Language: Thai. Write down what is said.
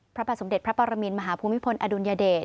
พระบาทสมเด็จพระปรมินมหาภูมิพลอดุลยเดช